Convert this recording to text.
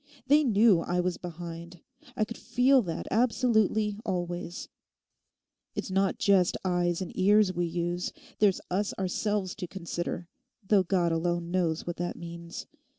They knew I was behind. I could feel that absolutely always; it's not just eyes and ears we use, there's us ourselves to consider, though God alone knows what that means.